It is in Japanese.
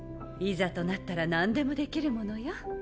いざとなったら何でもできるものよ。